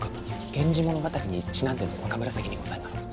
源氏物語にちなんでの若紫にございますか？